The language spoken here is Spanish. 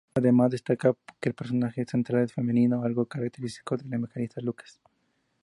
Además destaca que el personaje central es femenino, algo característico del evangelista Lucas.